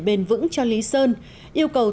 bền vững cho lý sơn yêu cầu